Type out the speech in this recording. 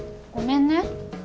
ごめんね。